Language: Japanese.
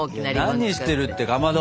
何してるってかまど。